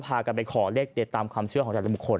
ไปขอเลขเด็ดตามความเชื่อของจังหลังบุคคล